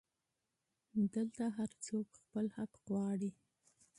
دلته هرڅوک خپل حق غواړي